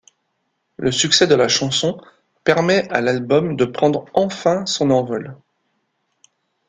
Le succès de la chanson permets à l'album de prendre enfin son envol.